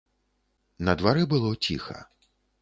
На дварэ было ціха.